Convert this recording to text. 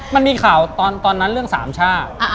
มันมีข่าวตอนนั้นเรื่องสามชาติ